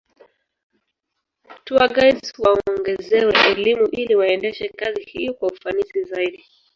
Tourguides waongezewe elimu ili waendeshe kazi hiyo kwa ufanisi zaidi